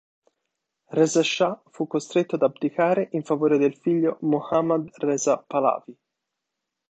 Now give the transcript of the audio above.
Reza Scià fu costretto ad abdicare in favore del figlio Mohammad Reza Pahlavi.